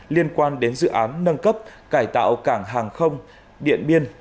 liên quan đến dự án nâng cấp cải tạo cảng hàng không điện biên